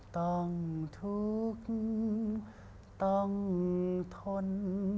ต้องทุกข์ต้องทน